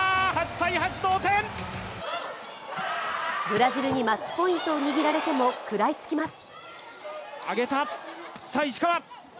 ブラジルにマッチポイントを握られても食らいつきます。